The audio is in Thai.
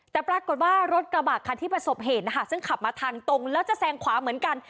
แต่ปรากฏว่ารถกระบะคันที่ประสบเหตุนะคะซึ่งขับมาทางตรงแล้วจะแซงขวาเหมือนกัน